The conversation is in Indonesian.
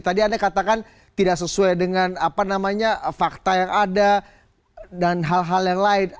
tadi anda katakan tidak sesuai dengan fakta yang ada dan hal hal yang lain